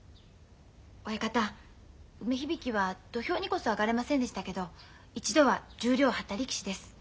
親方梅響は土俵にこそ上がれませんでしたけど一度は十両を張った力士です。